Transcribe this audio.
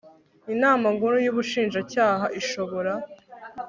inama nkuru y ubushinjacyaha ishobora